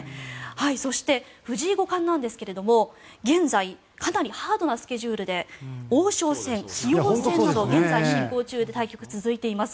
そして、藤井五冠なんですが現在かなり激しいスケジュールで王将戦、棋王戦など現在、進行中で対局が続いています。